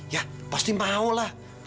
ya pasti mau lah